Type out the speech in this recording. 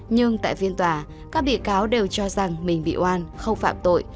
nhưng tại phiên tòa các bị cáo đều cho rằng mình bị oan không phạm tội